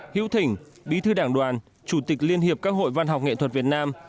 hiếu thỉnh bí thư đảng đoàn chủ tịch liên hiệp các hội văn học nghệ thuật việt nam